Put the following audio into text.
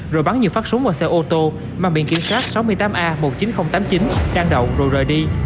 rồi bắn nhiều phát súng vào xe ô tô mà miệng kiểm soát sáu mươi tám a một mươi chín nghìn tám mươi chín răng động rồi rời đi